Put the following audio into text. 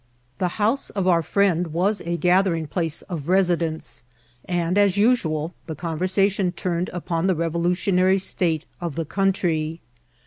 The house of our friend was a gathering place of residents, and, as usual, the conversation tam ed upon the revolutionary state of the country.